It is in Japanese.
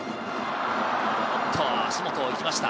おっと、足元を行きました。